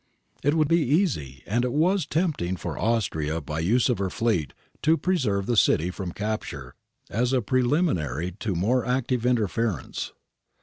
It would be easy and it was tempting for Austria by use of her fleet to preserve the city from capture, as a preliminary to more active interference.